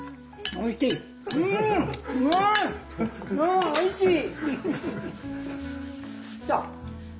あおいしい。